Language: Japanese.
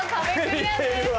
似てるわ。